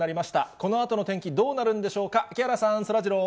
このあとの天気、どうなるんでし